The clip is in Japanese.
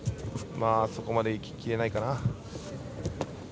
そこまで、いききれないかな。